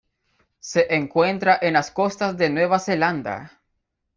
Se encuentra en las costas de Nueva Zelanda.